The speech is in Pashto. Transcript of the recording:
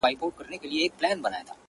کتابونو کي راغلې دا کيسه ده!.